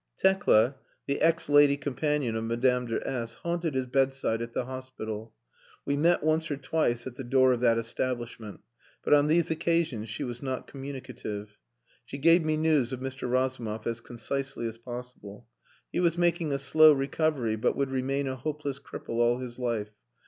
Tekla, the ex lady companion of Madame de S , haunted his bedside at the hospital. We met once or twice at the door of that establishment, but on these occasions she was not communicative. She gave me news of Mr. Razumov as concisely as possible. He was making a slow recovery, but would remain a hopeless cripple all his life.